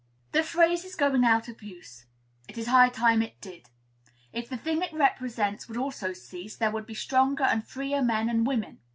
This phrase is going out of use. It is high time it did. If the thing it represents would also cease, there would be stronger and freer men and women.